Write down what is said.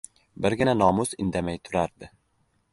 Birgina Nomus indamay turardi.